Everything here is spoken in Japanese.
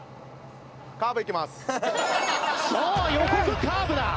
さあ予告カーブだ！